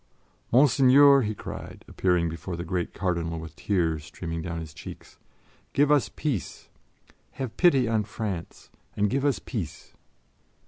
"Monseigneur!" he cried, appearing before the great Cardinal with tears streaming down his cheeks, "give us peace! Have pity on France and give us peace."